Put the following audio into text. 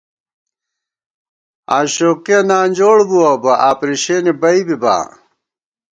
آشوقِیہ نانجوڑ بُوَہ بہ ، آپرېشینے بئ بِبا